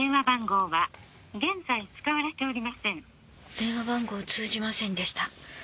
電話番号通じませんでした。